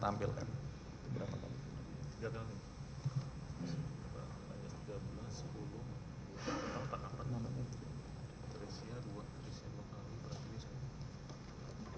teresia buat teresia dua kali pratiwi satu kali